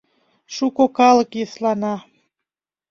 Шуко калык йӧслана.